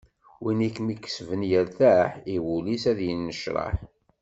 Win i kem-ikesben yertaḥ, i wul-is ad yennecraḥ.